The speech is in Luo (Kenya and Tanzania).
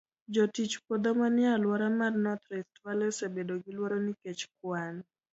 Jotich puodho manie alwora mar North Rift Valley osebedo gi luoro nikech kwan